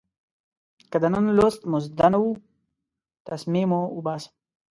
که د نن لوست مو زده نه و، تسمې مو اوباسم.